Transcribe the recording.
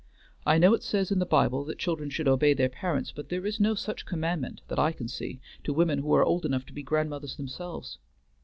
I know it says in the Bible that children should obey their parents, but there is no such commandment, that I can see, to women who are old enough to be grandmothers themselves.